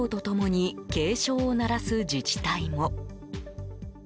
ＮＰＯと共に警鐘を鳴らす自治体も。